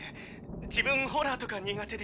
自分ホラーとか苦手で。